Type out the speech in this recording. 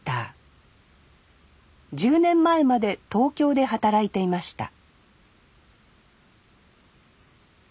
１０年前まで東京で働いていました